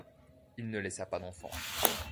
Il ne laissa pas d'enfants.